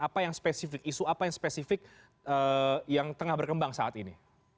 apa yang spesifik isu apa yang spesifik yang tengah berkembang saat ini